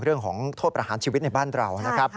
เรื่องของโทษประหารชีวิตในบ้านเรานะครับ